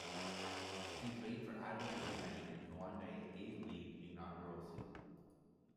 He played for Adelaide United in the Hyundai A-League's inaugural season.